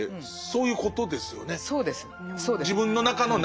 そういうことです。